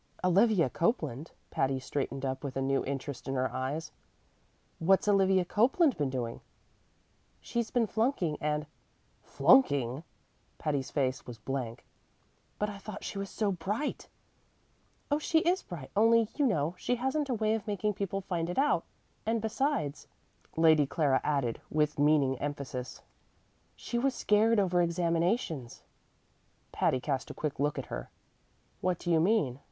"Olivia Copeland?" Patty straightened up with a new interest in her eyes. "What's Olivia Copeland been doing?" "She's been flunking and " "Flunking!" Patty's face was blank. "But I thought she was so bright!" "Oh, she is bright; only, you know, she hasn't a way of making people find it out; and, besides," Lady Clara added with meaning emphasis, "she was scared over examinations." Patty cast a quick look at her. "What do you mean?"